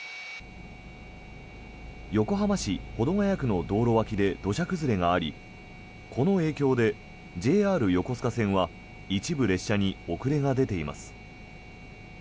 横浜市保土ケ谷区の道路脇で土砂崩れがありこの影響でＪＲ横須賀線は一部列車に遅れが出ています。